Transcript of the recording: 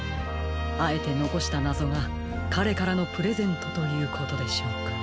あえてのこしたなぞがかれからのプレゼントということでしょうか。